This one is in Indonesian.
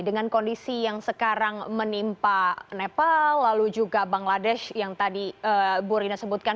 dengan kondisi yang sekarang menimpa nepal lalu juga bangladesh yang tadi bu rina sebutkan